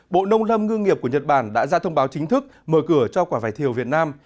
bộ nông lâm ngư nghiệp của nhật bản đã ra thông báo chính thức mở cửa cho quả vải thiều việt nam